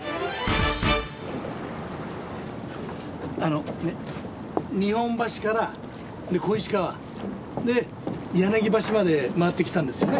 あの日本橋から小石川で柳橋まで回ってきたんですよね？